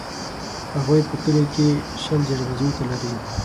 هغوی په کلي کښې شل جریبه ځمکه لري.